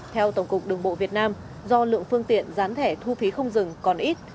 theo tổng cục đường bộ việt nam do lượng phương tiện gián thẻ thu phí không dừng còn ít